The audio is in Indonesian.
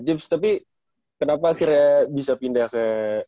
tips tapi kenapa akhirnya bisa pindah ke